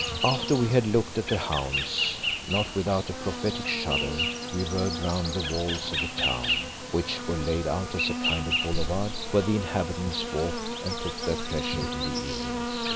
After we had looked at the hounds, not without a prophetic shudder, we rode round the walls of the town, which were laid out as a kind of boulevard, where the inhabitants walked and took their pleasure in the evenings.